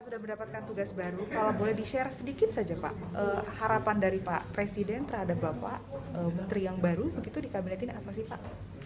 sudah mendapatkan tugas baru kalau boleh di share sedikit saja pak harapan dari pak presiden terhadap bapak menteri yang baru begitu di kabinetin apa sih pak